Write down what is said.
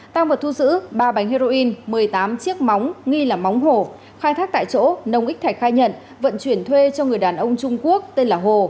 tăng vật thu giữ ba bánh heroin một mươi tám chiếc móng nghi là móng hổ khai thác tại chỗ nông ích thạch khai nhận vận chuyển thuê cho người đàn ông trung quốc tên là hồ